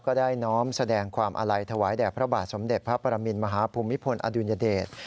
ได้น้อมแสดงความอาลัยถวายแด่พระบาทสมเด็จพระปรมินมหาภูมิพลอดุญเดช